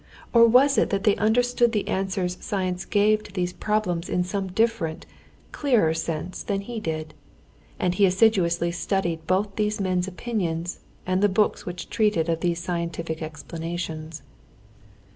or was it that they understood the answers science gave to these problems in some different, clearer sense than he did? And he assiduously studied both these men's opinions and the books which treated of these scientific explanations.